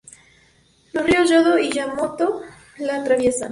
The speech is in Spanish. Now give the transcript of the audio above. Los ríos Yodo y Yamato la atraviesan.